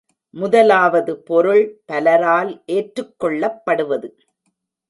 முதலாவது பொருள் பலரால் ஏற்றுக் கொள்ளப்படுவது.